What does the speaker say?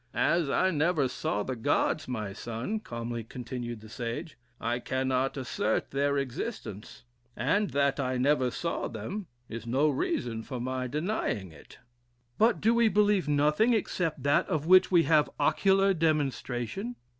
"As I never saw the Gods, my son," calmly continued the Sage, "I cannot assert their existence; and that I never saw them, is no reason for my denying it." "But do we believe nothing except that of which we have ocular demonstration?"